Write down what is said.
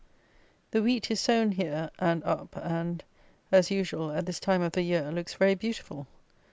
The wheat is sown here, and up, and, as usual, at this time of the year, looks very beautiful.